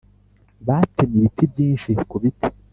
batemye ibiti byinshi kubiti.